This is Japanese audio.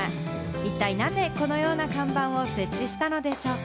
一体なぜこのような看板を設置したのでしょうか？